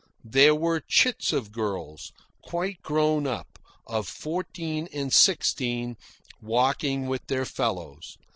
There were chits of girls, quite grown up, of fourteen and sixteen, walking with their fellows.